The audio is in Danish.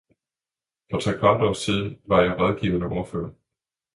For trekvart år siden var jeg rådgivende ordfører.